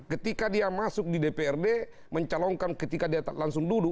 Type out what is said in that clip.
ketika dia masuk di dprd mencalonkan ketika dia langsung duduk